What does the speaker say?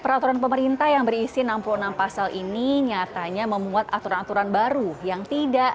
peraturan pemerintah yang berisi enam puluh enam pasal ini nyatanya memuat aturan aturan baru yang tidak